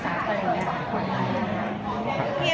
ซัพอะไรอย่างนี้